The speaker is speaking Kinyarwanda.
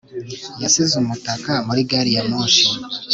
yasize umutaka muri gari ya moshi